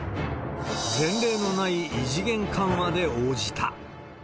前例のない異次元緩和で応じた。